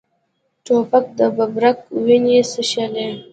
توپک د ببرک وینې څښلي.